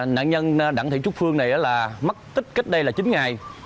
nạn nhân đặng thị trúc phương mất tích cách đây là chín ngày